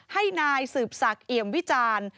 ให้นายสืบศักดิ์เอี่ยมวิจารณ์